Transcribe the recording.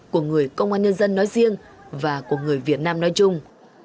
của người công an nhân dân nói riêng và của người việt nam nói chung